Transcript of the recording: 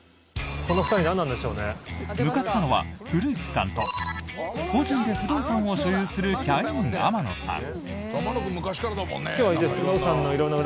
向かったのは古市さんと個人で不動産を所有するキャイン、天野さん。